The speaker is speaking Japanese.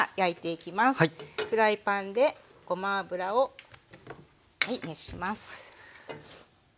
フライパンでごま油を熱します。